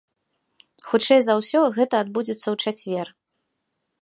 Хутчэй за ўсё, гэта адбудзецца ў чацвер.